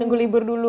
nunggu libur dulu